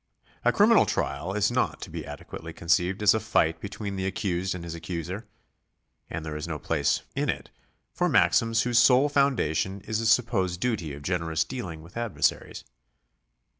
A criminal trial is not to be adequately conceived as a fight between the accused and his accuser ; and there is no place in it for maxims whose sole foundation is a supposed duty of generous dealing with adversaries.